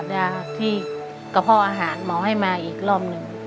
คุณยายแดงคะทำไมต้องซื้อลำโพงและเครื่องเสียง